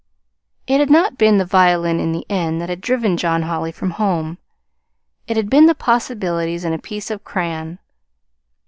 It had not been the violin, in the end, that had driven John Holly from home. It had been the possibilities in a piece of crayon.